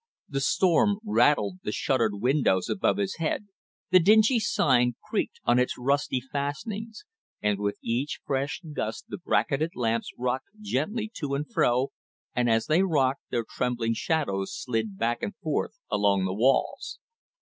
The storm rattled the shuttered windows above his head, the dingy sign creaked on its rusty fastenings, and with each fresh gust the bracketed lamps rocked gently to and fro, and as they rocked their trembling shadows slid back and forth along the walls.